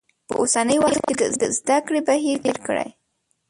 په اوسنی وخت کې د زده کړی بهیر تغیر کړی.